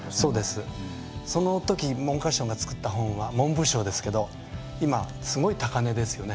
そのとき、文科省が作った本は文部省ですけど今すごい高値ですよね。